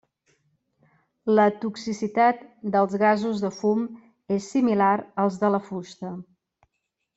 La toxicitat dels gasos de fum és similar als de la fusta.